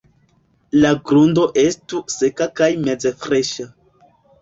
La grundo estu seka kaj meze freŝa.